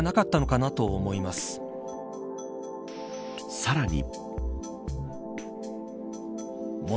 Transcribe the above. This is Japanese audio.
さらに。